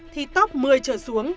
thì top một mươi trở xuống